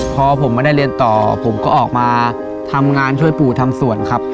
พอผมไม่ได้เรียนต่อผมก็ออกมาทำงานช่วยปู่ทำสวนครับ